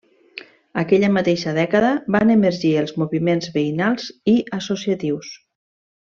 Aquella mateixa dècada, van emergir els moviments veïnals i associatius.